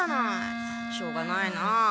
しょうがないな。